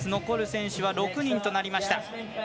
残る選手は６人となりました。